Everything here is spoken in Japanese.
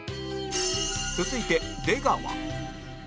続いて出川